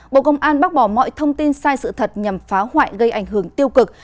bộ công an bác bỏ mọi thông tin sai sự thật nhằm phá hoại gây ảnh hưởng tiêu cực